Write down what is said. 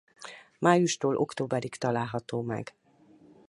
Májustól októberig található meg.